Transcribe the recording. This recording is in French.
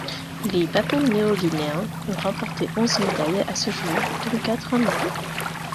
Les Papou-Néo-Guinéens ont remporté onze médailles à ce jour, dont quatre en or.